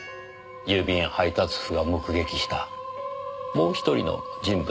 郵便配達夫が目撃したもう一人の人物。